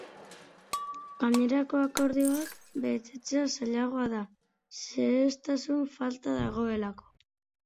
Gainerako akordioak betetzea zailagoa da, zehaztasun falta dagoelako.